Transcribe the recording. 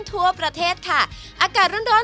จบละกับสูตร